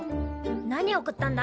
何を送ったんだ？